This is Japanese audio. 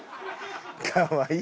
かわいい。